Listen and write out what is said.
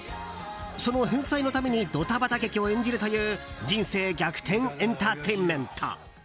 その返済のためにドタバタ劇を演じるという人生逆転エンターテインメント。